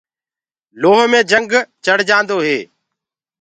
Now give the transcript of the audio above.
لوه مي جنگ چڙهجآدو هي۔